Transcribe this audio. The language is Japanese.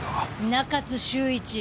中津秀一